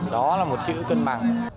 đó là một chữ cân bằng